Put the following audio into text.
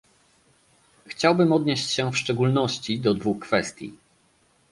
Chciałbym odnieść się w szczególności do dwóch kwestii